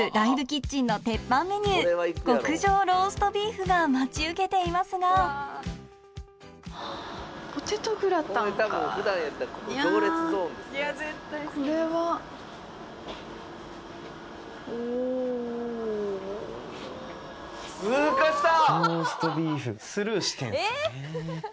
キッチンの鉄板メニュー極上ローストビーフが待ち受けていますが通過した！